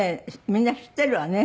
みんな知ってるわね。